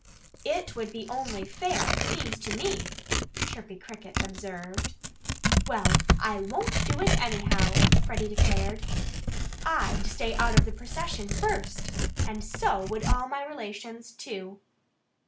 "It would be only fair, it seems to me," Chirpy Cricket observed. "Well, I won't do it, anyhow," Freddie declared. "I'd stay out of the procession first. And so would all my relations, too."